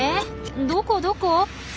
どこどこ？